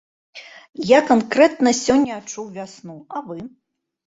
Я канкрэтна сёння адчуў вясну, а вы?